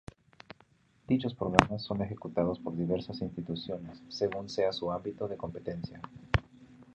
Dichos programas son ejecutados por diversas instituciones, según sea su ámbito de competencia.